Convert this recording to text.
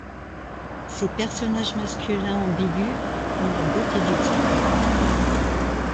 Ses personnages masculins ambigus ont la beauté du Diable.